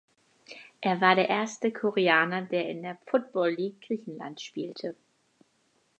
Er war der erste Koreaner der in der Football League Griechenland spielte.